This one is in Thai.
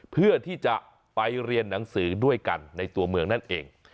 เพื่อที่จะไปเรียนหนังสือด้วยกันในตัวเมืองนั่นเอง